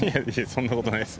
そんなことないです。